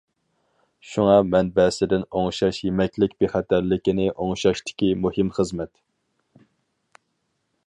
شۇڭا مەنبەسىدىن ئوڭشاش يېمەكلىك بىخەتەرلىكىنى ئوڭشاشتىكى مۇھىم خىزمەت.